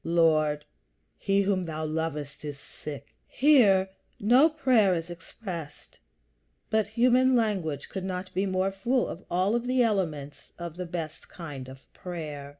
"Lord, he whom thou lovest is sick." Here is no prayer expressed; but human language could not be more full of all the elements of the best kind of prayer.